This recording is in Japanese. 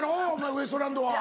ウエストランドは。